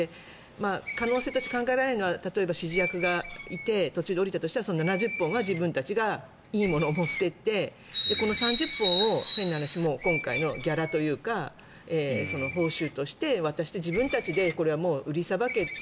可能性として考えられるのは例えば指示役がいて途中で降りたとしたらその７０本は自分たちがいいものを持っていってこの３０本を変な話、今回のギャラというか報酬として渡して自分たちで売りさばけって。